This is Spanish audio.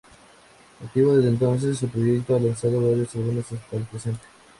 Activo desde entonces, el proyecto ha lanzado varios álbumes hasta el presente.